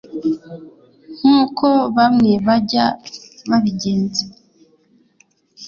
nkuko bamwe bajya babigenza